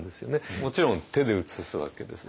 もちろん手で写すわけですし。